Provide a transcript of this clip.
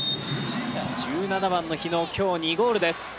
１７番の日野、今日２ゴールです。